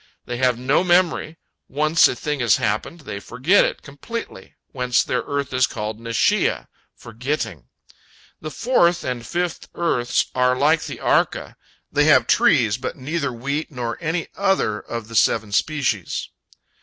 They have no memory; once a thing has happened, they forget it completely, whence their earth is called Neshiah, "forgetting." The fourth and fifth earths are like the Arka; they have trees, but neither wheat nor any other of the seven species.